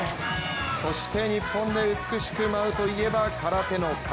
そして日本で美しく舞うといえば空手の形。